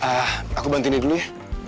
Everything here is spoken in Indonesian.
ah aku bantuin dulu ya